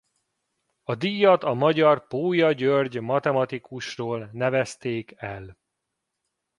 A díjat a magyar Pólya György matematikusról nevezték el.